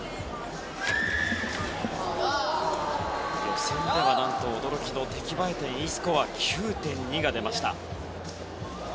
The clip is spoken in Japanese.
予選では何と驚きの出来栄え点、Ｅスコアで９．２が出ました。